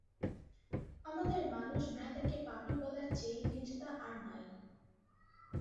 আমাদের মানুষ-ভ্রাতাকে পাপী বলার চেয়ে নীচতা আর নাই।